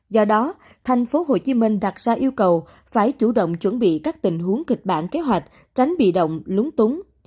do đó thành phố hồ chí minh đặt ra yêu cầu phải chủ động chuẩn bị các tình huống kịch bản kế hoạch tránh bị động lúng túng